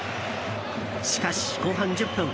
しかし、後半１０分。